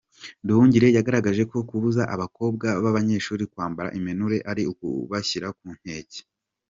Nduhungirehe yagaragazaga ko kubuza abakobwa b’ abanyeshuri kwambara impenure ari ukubashyira ku nkenke.